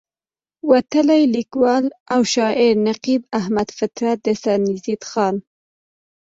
وتلے ليکوال او شاعر نقيب احمد فطرت د سرنزېب خان